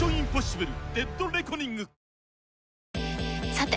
さて！